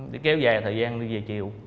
để kéo dài thời gian đi về chiều